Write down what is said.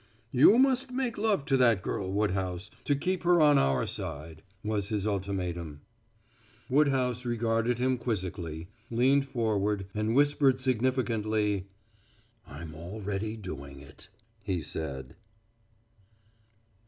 "You must make love to that girl, Woodhouse, to keep her on our side," was his ultimatum. Woodhouse regarded him quizzically, leaned forward, and whispered significantly. "I'm already doing it," he said.